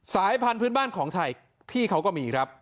สายพันธุ์บ้านของไทยพี่เขาก็มีครับ